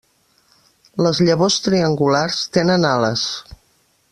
Les llavors triangulars tenen ales.